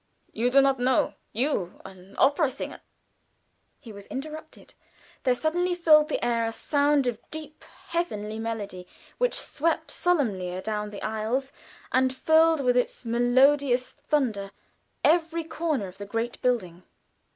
"You do not know you an opera singer " He was interrupted. There suddenly filled the air a sound of deep, heavenly melody, which swept solemnly adown the aisles, and filled with its melodious thunder every corner of the great building.